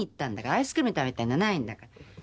アイスクリーム食べに行ったんじゃないんだから。